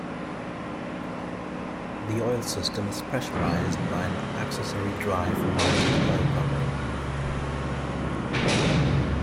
The oil system is pressurized by an accessory-drive mounted oil pump.